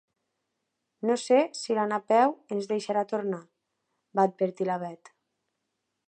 No sé si la Napeu ens hi deixarà tornar —va advertir la Bet—.